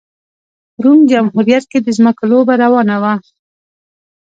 په روم جمهوریت کې د ځمکو لوبه روانه وه